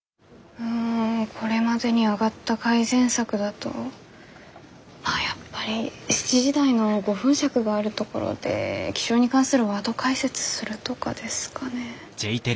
うんこれまでに挙がった改善策だとまあやっぱり７時台の５分尺があるところで気象に関するワード解説するとかですかね。